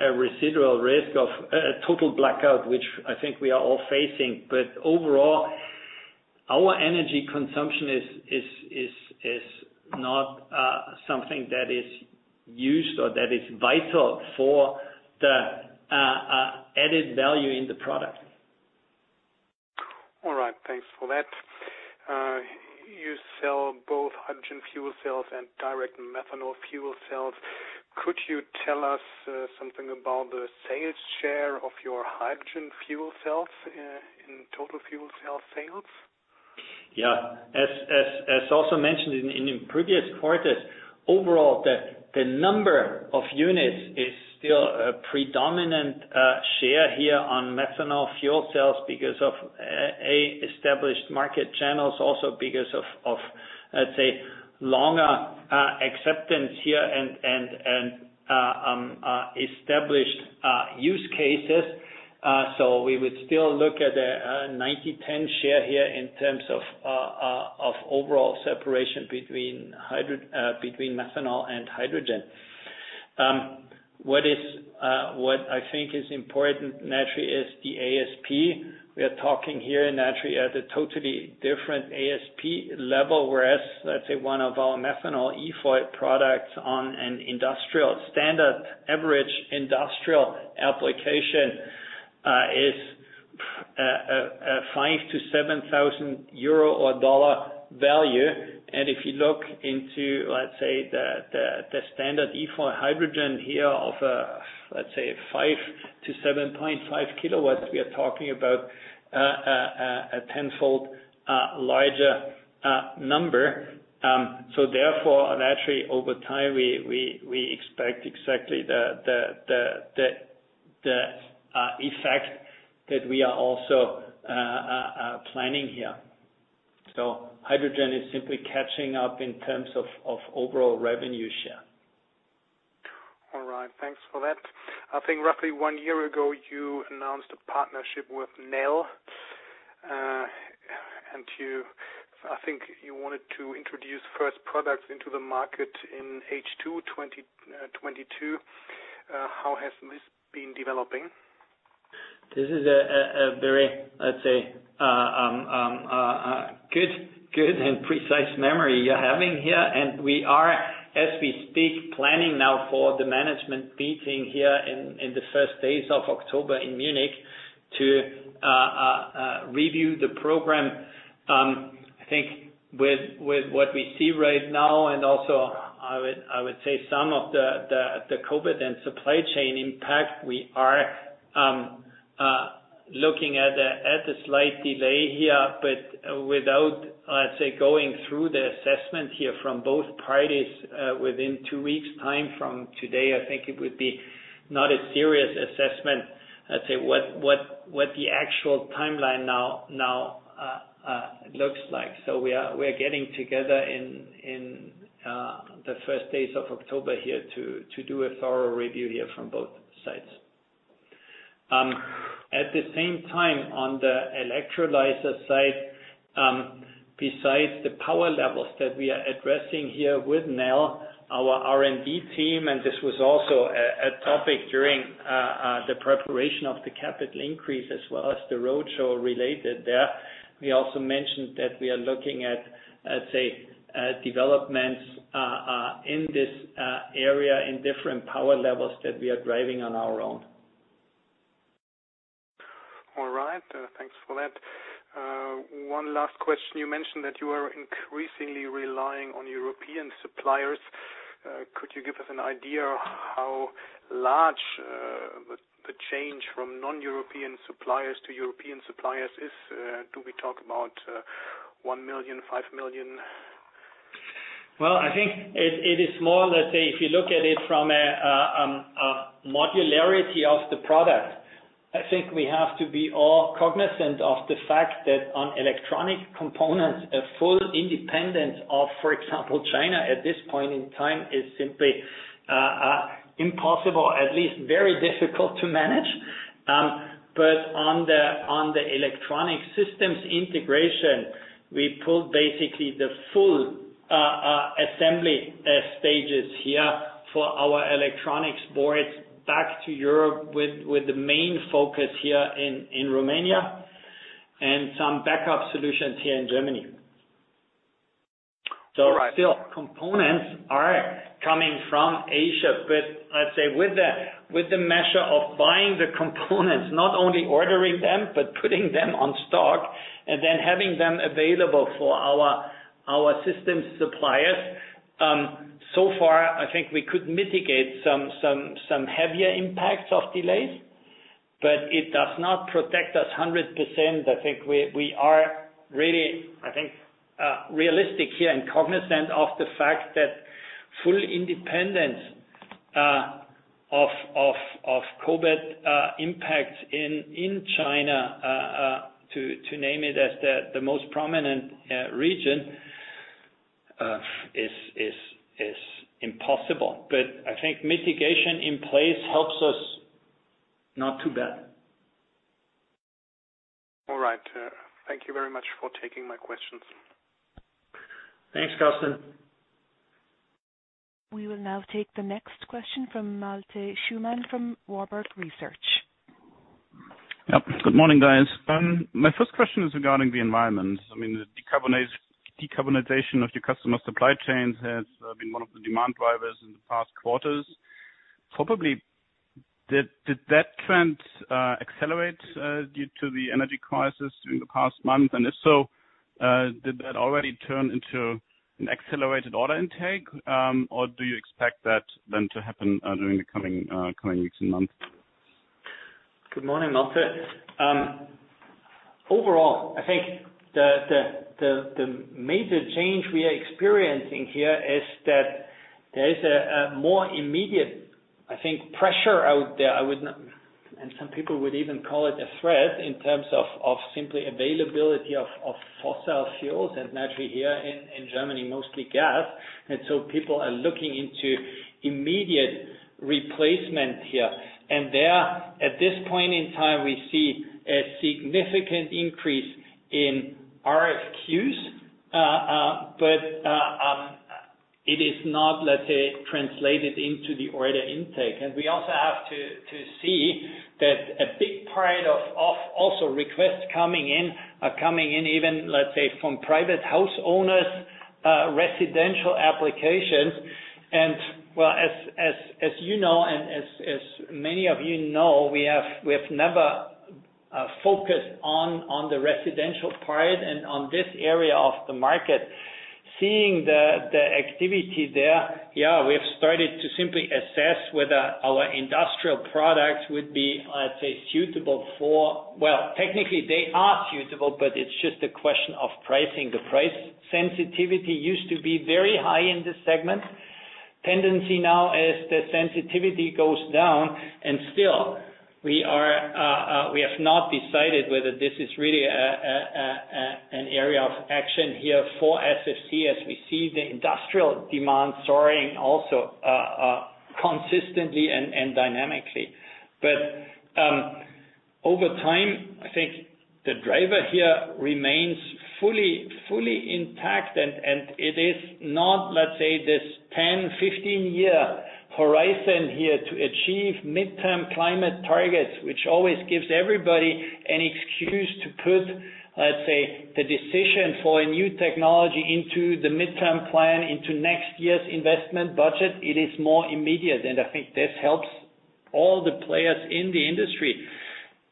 a residual risk of a total blackout, which I think we are all facing. Overall, our energy consumption is not something that is used or that is vital for the added value in the product. All right. Thanks for that. You sell both hydrogen fuel cells and direct methanol fuel cells. Could you tell us something about the sales share of your hydrogen fuel cells in total fuel cell sales? Yeah. As also mentioned in previous quarters, overall the number of units is still a predominant share here on methanol fuel cells because of established market channels, also because of, let's say, longer acceptance here and established use cases. So we would still look at a 90/10 share here in terms of of overall separation between methanol and hydrogen. What I think is important naturally is the ASP. We are talking here naturally at a totally different ASP level, whereas, let's say one of our methanol e-fuel products on an industrial standard, average industrial application, is a 5,000-7,000 euro or $5,000-$7,000 value. If you look into, let's say, the standard e-fuel hydrogen here of, let's say, 5 kW-7.5 kW, we are talking about a tenfold larger number. Therefore, naturally over time, we expect exactly the effect that we are also planning here. Hydrogen is simply catching up in terms of overall revenue share. All right. Thanks for that. I think roughly one year ago, you announced a partnership with Nel, I think you wanted to introduce first products into the market in H2 2022. How has this been developing? This is a very, let's say, good and precise memory you're having here. We are, as we speak, planning now for the management meeting here in the first days of October in Munich to review the program. I think with what we see right now, and also I would say some of the COVID and supply chain impact, we are looking at a slight delay here, but without, let's say, going through the assessment here from both parties, within two weeks time from today, I think it would be not a serious assessment. Let's say, what the actual timeline now looks like. We are getting together in the first days of October here to do a thorough review here from both sides. At the same time, on the electrolyzer side, besides the power levels that we are addressing here with Nel, our R&D team, and this was also a topic during the preparation of the capital increase, as well as the roadshow related there. We also mentioned that we are looking at, let's say, in this area in different power levels that we are driving on our own. All right. Thanks for that. One last question. You mentioned that you are increasingly relying on European suppliers. Could you give us an idea how large the change from non-European suppliers to European suppliers is? Do we talk about 1 million, 5 million? Well, I think it is more, let's say, if you look at it from a modularity of the product. I think we have to be all cognizant of the fact that on electronic components, a full independence of, for example, China at this point in time is simply impossible, at least very difficult to manage. On the electronic systems integration, we pulled basically the full assembly stages here for our electronics boards back to Europe with the main focus here in Romania and some backup solutions here in Germany. All right. Still components are coming from Asia, but I'd say with the measure of buying the components, not only ordering them, but putting them on stock and then having them available for our systems suppliers, so far, I think we could mitigate some heavier impacts of delays, but it does not protect us 100%. I think we are really, I think, realistic here and cognizant of the fact that full independence of COVID impact in China, to name it as the most prominent region, is impossible. I think mitigation in place helps us not too bad. All right. Thank you very much for taking my questions. Thanks, Karsten. We will now take the next question from Malte Schaumann from Warburg Research. Yep. Good morning, guys. My first question is regarding the environment. I mean, the decarbonization of your customer supply chains has been one of the demand drivers in the past quarters. Probably, did that trend accelerate due to the energy crisis during the past month? If so, did that already turn into an accelerated order intake, or do you expect that then to happen during the coming weeks and months? Good morning, Malte. Overall, I think the major change we are experiencing here is that there is a more immediate, I think, pressure out there. Some people would even call it a threat in terms of simply availability of fossil fuels, and naturally here in Germany, mostly gas. People are looking into immediate replacement here. There, at this point in time, we see a significant increase in RFQs, but it is not, let's say, translated into the order intake. We also have to see that a big part of also requests coming in are coming in even, let's say, from private house owners, residential applications. Well, as you know, and as many of you know, we have never focused on the residential part and on this area of the market. Seeing the activity there, yeah, we have started to simply assess whether our industrial products would be, let's say, suitable for residential. Well, technically they are suitable, but it's just a question of pricing. The price sensitivity used to be very high in this segment. Tendency now is the sensitivity goes down, and still we have not decided whether this is really an area of action here for SFC as we see the industrial demand soaring also consistently and dynamically. Over time, I think the driver here remains fully intact, and it is not, let's say, this 10-15-year horizon here to achieve midterm climate targets, which always gives everybody an excuse to put, let's say, the decision for a new technology into the midterm plan, into next year's investment budget. It is more immediate, and I think this helps all the players in the industry.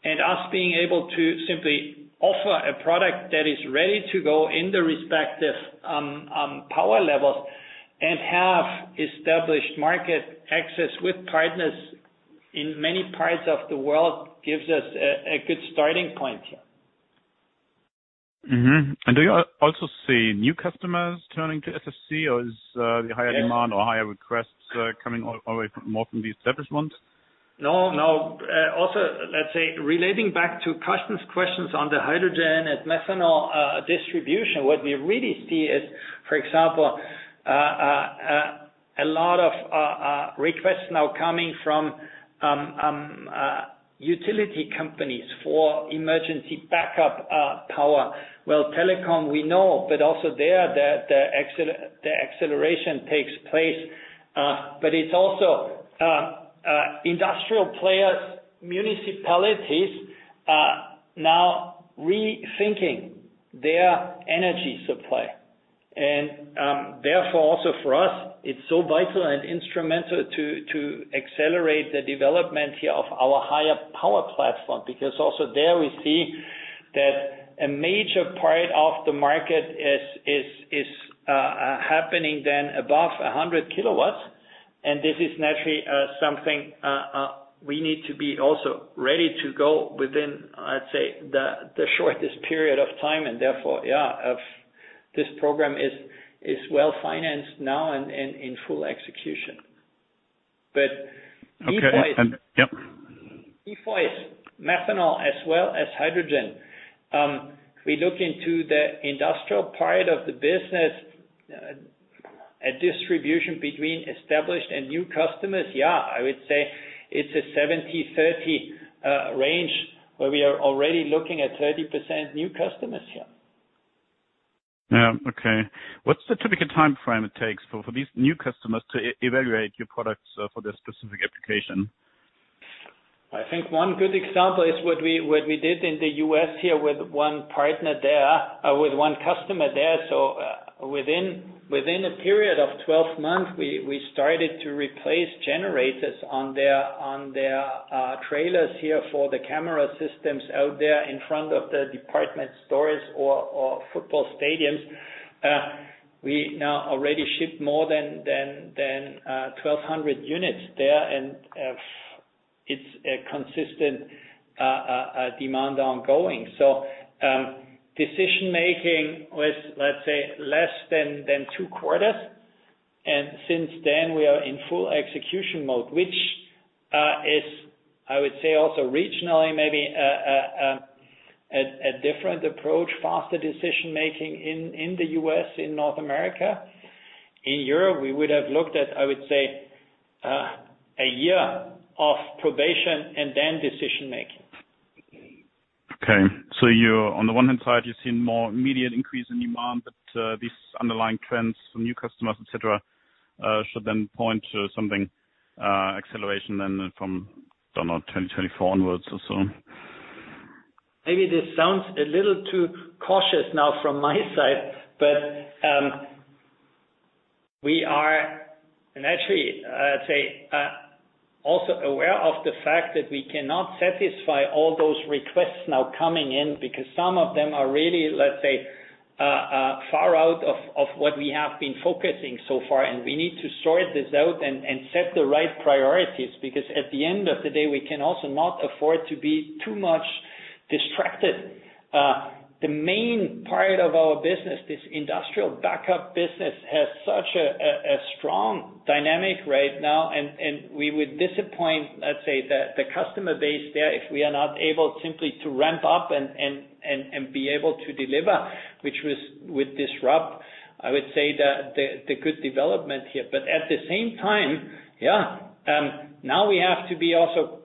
Us being able to simply offer a product that is ready to go in the respective power levels and have established market access with partners in many parts of the world gives us a good starting point here. Do you also see new customers turning to SFC, or is the higher demand or higher requests, coming all the way from more from the established ones? No, no. Also, let's say, relating back to Karsten's questions on the hydrogen and methanol distribution, what we really see is, for example, a lot of requests now coming from utility companies for emergency backup power. Well, telecom, we know, but also there the acceleration takes place. But it's also industrial players, municipalities now rethinking their energy supply. Therefore, also for us, it's so vital and instrumental to accelerate the development here of our higher power platform, because also there we see that a major part of the market is happening then above 100 kW, and this is naturally something we need to be also ready to go within, I'd say, the shortest period of time. Therefore, yeah, this program is well-financed now and in full execution. Okay. Yep. E-fuel is methanol as well as hydrogen. We look into the industrial part of the business, a distribution between established and new customers. Yeah, I would say it's a 70/30 range, where we are already looking at 30% new customers here. Yeah. Okay. What's the typical timeframe it takes for these new customers to evaluate your products for this specific application? I think one good example is what we did in the U.S. here with one partner there, with one customer there. Within a period of 12 months, we started to replace generators on their trailers here for the camera systems out there in front of the department stores or football stadiums. We now already shipped more than 1,200 units there, and it's a consistent demand ongoing. Decision-making was, let's say, less than two quarters. Since then, we are in full execution mode, which is, I would say, also regionally, maybe a different approach, faster decision-making in the U.S., in North America. In Europe, we would have looked at, I would say, a year of probation and then decision-making. Okay. You're on the one hand side, you're seeing more immediate increase in demand, but these underlying trends for new customers, et cetera, should then point to something, acceleration then from, I don't know, 2024 onwards or so. Maybe this sounds a little too cautious now from my side, but we are and actually, I'd say, also aware of the fact that we cannot satisfy all those requests now coming in because some of them are really, let's say, far out of what we have been focusing so far, and we need to sort this out and set the right priorities, because at the end of the day, we can also not afford to be too much distracted. The main part of our business, this industrial backup business, has such a strong dynamic right now, and we would disappoint, let's say, the customer base there if we are not able simply to ramp up and be able to deliver, which would disrupt, I would say, the good development here. At the same time, yeah, now we have to be also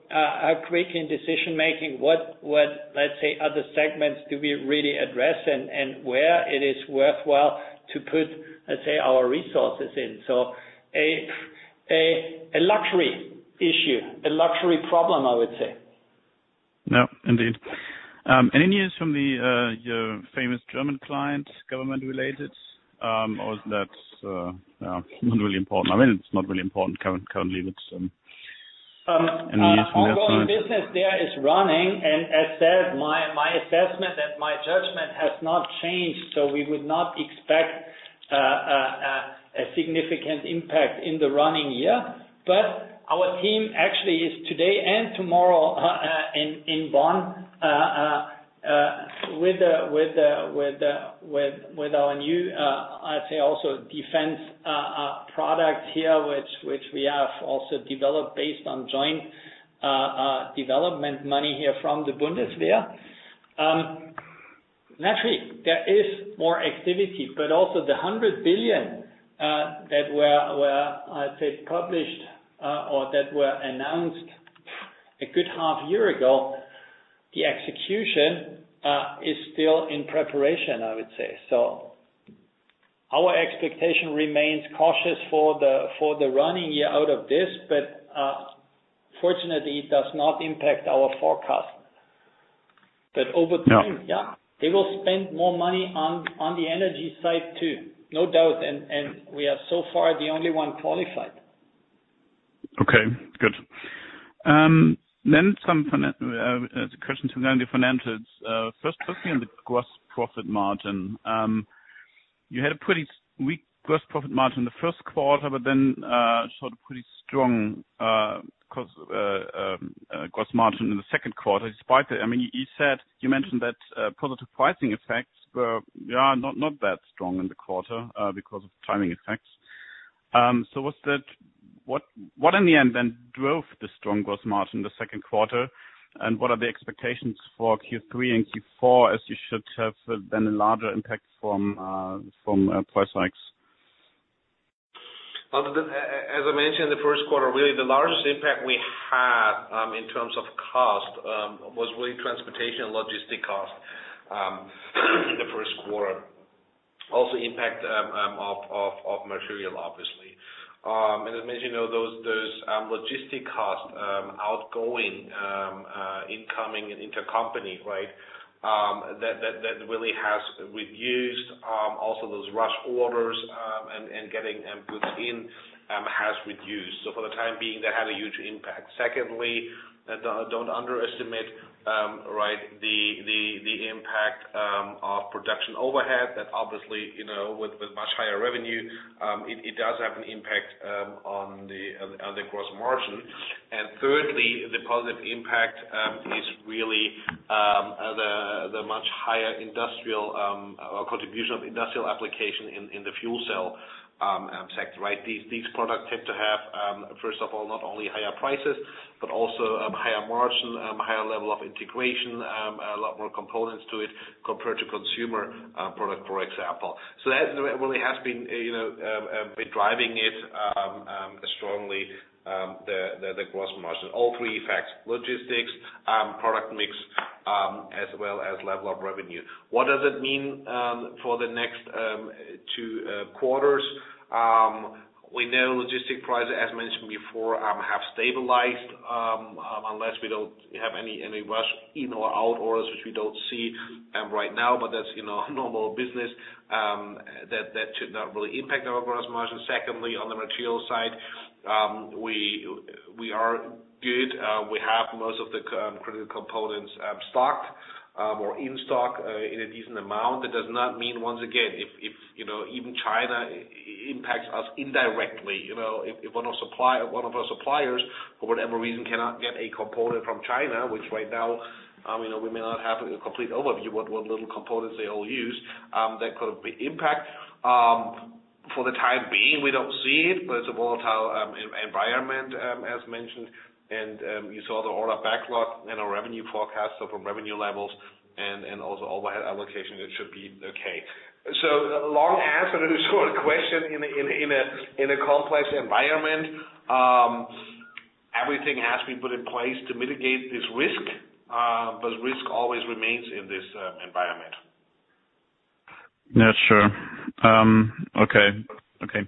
quick in decision-making, what let's say, other segments do we really address and where it is worthwhile to put, let's say, our resources in. So a luxury issue, a luxury problem, I would say. No, indeed. Any news from your famous German client, government-related? That's not really important. I mean, it's not really important currently, but any news from that side? Ongoing business there is running. As said, my assessment and my judgment has not changed, so we would not expect a significant impact in the running year. Our team actually is today and tomorrow in Bonn with our new, I'd say, also defense product here, which we have also developed based on joint development money here from the Bundeswehr. Naturally, there is more activity, but also the 100 billion that were, I'd say, published or that were announced a good half year ago, the execution is still in preparation, I would say. Our expectation remains cautious for the running year out of this, but fortunately, it does not impact our forecast. Over time. Yeah. Yeah, they will spend more money on the energy side too. No doubt. We are so far the only one qualified. Okay, good. Some questions around the financials. Firstly on the gross profit margin. You had a pretty weak gross profit margin in the first quarter, but then sort of pretty strong gross margin in the second quarter, despite the. I mean, you said you mentioned that positive pricing effects were, yeah, not that strong in the quarter because of timing effects. What in the end then drove the strong gross margin in the second quarter? What are the expectations for Q3 and Q4, as you should have then a larger impact from price hikes? As I mentioned in the first quarter, really the largest impact we had in terms of cost was really transportation and logistics costs in the first quarter. Also impact of material, obviously. And as mentioned, you know, those logistics costs, outgoing, incoming and intercompany, right, that really has reduced, also those rush orders and getting the goods in has reduced. For the time being, that had a huge impact. Secondly, don't underestimate, right, the impact of production overhead that obviously, you know, with much higher revenue, it does have an impact on the gross margin. Thirdly, the positive impact is really the much higher industrial or contribution of industrial application in the fuel cell sector, right? These products tend to have first of all, not only higher prices, but also higher margin, higher level of integration, a lot more components to it compared to consumer product, for example. So that really has been, you know, driving it strongly, the gross margin. All three effects, logistics, product mix, as well as level of revenue. What does it mean for the next two quarters? We know logistic prices, as mentioned before, have stabilized, unless we don't have any rush in or out orders, which we don't see right now, but that's, you know, normal business, that should not really impact our gross margin. Secondly, on the material side, we are good. We have most of the critical components stocked or in stock in a decent amount. That does not mean once again, if you know, even China impacts us indirectly. You know, if one of our suppliers, for whatever reason, cannot get a component from China, which right now, you know, we may not have a complete overview what little components they all use, that could be impact. For the time being, we don't see it, but it's a volatile environment, as mentioned. You saw the order backlog in our revenue forecast, so from revenue levels and also overhead allocation, it should be okay. Long answer to the short question in a complex environment. Everything has been put in place to mitigate this risk, but risk always remains in this environment. Yeah, sure. Okay.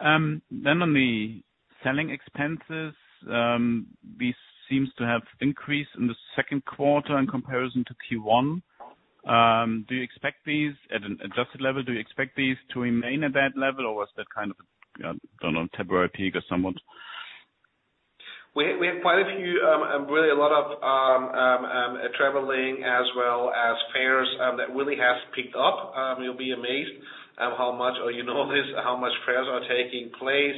On the selling expenses, this seems to have increased in the second quarter in comparison to Q1. Do you expect these at an adjusted level? Do you expect these to remain at that level, or was that kind of, I don't know, temporary peak or somewhat? We had quite a few really a lot of traveling as well as fairs that really have picked up. You'll be amazed at how much, or you know this, how much fairs are taking place.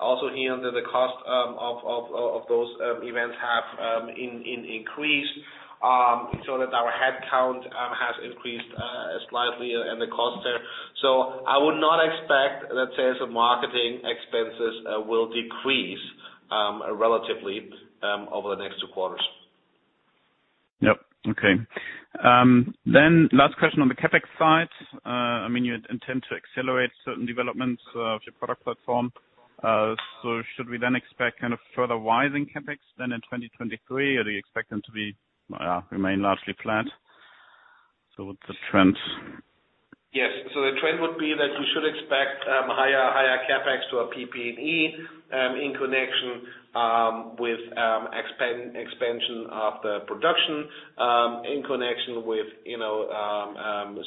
Also, here under the cost of those events have increased, so that our head count has increased slightly and the cost there. I would not expect that sales and marketing expenses will decrease relatively over the next two quarters. Okay. Last question on the CapEx side. I mean, you intend to accelerate certain developments of your product platform. Should we then expect kind of further rising CapEx than in 2023? Or do you expect them to remain largely flat? What's the trends? Yes. The trend would be that you should expect higher CapEx to our PP&E in connection with expansion of the production in connection with you know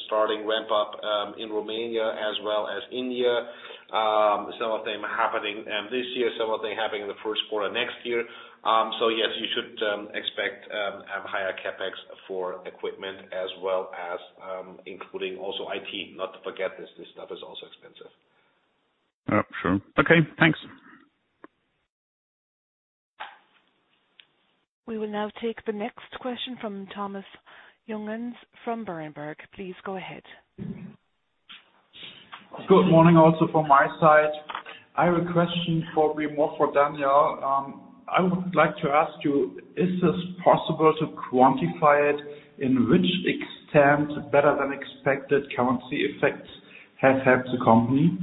starting ramp up in Romania as well as India. Some of them happening this year, some of them happening in the first quarter next year. Yes, you should expect higher CapEx for equipment as well as including also IT. Not to forget this stuff is also expensive. Oh, sure. Okay, thanks. We will now take the next question from Thomas Junghanns from Berenberg. Please go ahead. Good morning also from my side. I have a question probably more for Daniel. I would like to ask you, is this possible to quantify it in which extent better than expected currency effects has helped the company?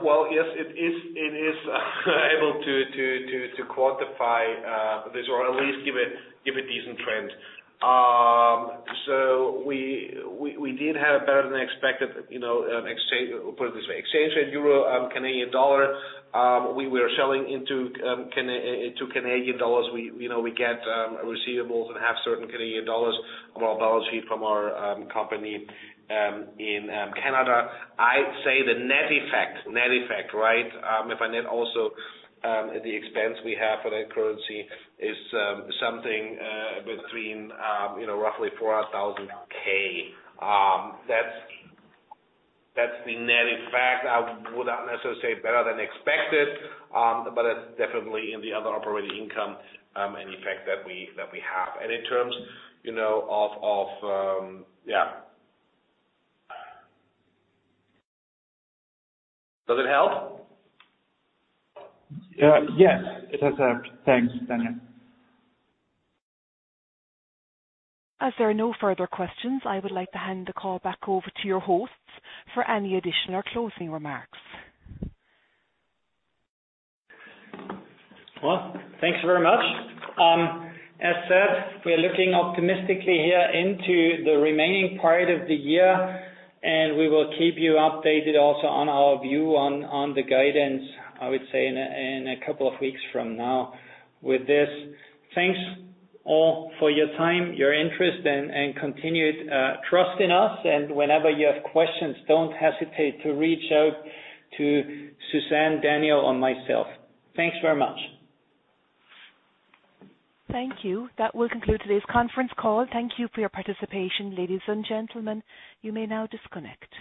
Well, yes, it is able to quantify this or at least give a decent trend. We did have better than expected, you know, put it this way, exchange rate euro Canadian dollar. We were selling into Canadian dollars. You know, we get receivables and have certain Canadian dollars of our balance sheet from our company in Canada. I'd say the net effect, right? If I net also the expense we have for that currency is something between, you know, roughly 400,000. That's the net effect. I would not necessarily say better than expected, but it's definitely in the other operating income and effect that we have. In terms, you know, of yeah. Does it help? Yes, it does help. Thanks, Daniel. As there are no further questions, I would like to hand the call back over to your hosts for any additional closing remarks. Well, thanks very much. As said, we are looking optimistically here into the remaining part of the year, and we will keep you updated also on our view on the guidance, I would say in a couple of weeks from now with this. Thanks, all, for your time, your interest and continued trust in us. Whenever you have questions, don't hesitate to reach out to Susan, Daniel or myself. Thanks very much. Thank you. That will conclude today's conference call. Thank you for your participation, ladies and gentlemen. You may now disconnect.